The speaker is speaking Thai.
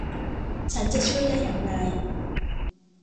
ฉันจะช่วยได้อย่างไร